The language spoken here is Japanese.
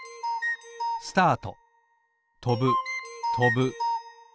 スタート！